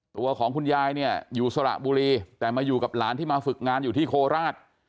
ตัวของคุณยายเนี่ยอยู่สระบุรีแต่มาอยู่กับหลานที่มาฝึกงานอยู่ที่โคราช